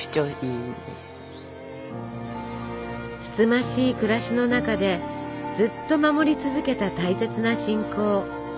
つつましい暮らしの中でずっと守り続けた大切な信仰。